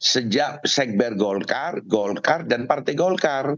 sejak sekber golkar golkar dan partai golkar